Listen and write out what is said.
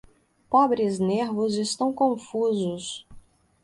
Pobres nervos estão confusos.